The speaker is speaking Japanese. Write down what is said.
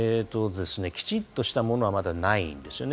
きちっとしたものは今まだないんですね。